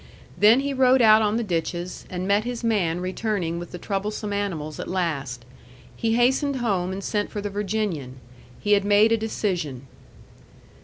Then he rode out on the ditches, and met his man returning with the troublesome animals at last. He hastened home and sent for the Virginian. He had made a decision.